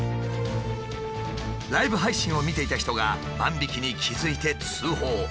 ライブ配信を見ていた人が万引きに気付いて通報。